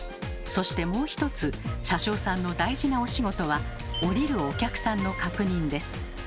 そしてもう一つ車掌さんの大事なお仕事は降りるお客さんの確認です。